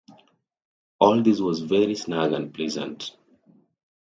All this was very snug and pleasant.